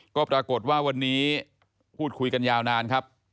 ก็ปรากฏว่าวันนี้พูดคุยกันยาวนานครับ